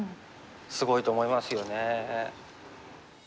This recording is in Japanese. すごいと思いますよね。